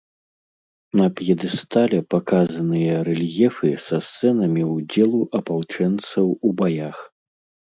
На п'едэстале паказаныя рэльефы са сцэнамі ўдзелу апалчэнцаў у баях.